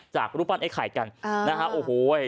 รูปปั้นไอ้ไข่กันนะฮะโอ้โห